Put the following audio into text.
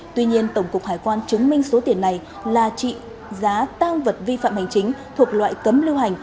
tuy nhiên tổng cục hải quan chứng minh số tiền này là trị giá tăng vật vi phạm hành chính thuộc loại cấm lưu hành